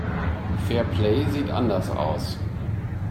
Fairplay sieht anders aus.